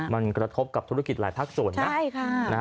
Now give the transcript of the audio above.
มันกระทบกับธุรกิจหลายภาคส่วนนะ